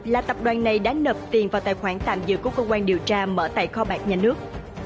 là tập đoàn này đã nạp tiền vào tài khoản tạm giữ của cơ quan điều tra mở tại kho bạc nhà nước